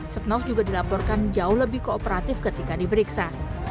setnov juga dilaporkan jauh lebih kooperatif ketika diperiksa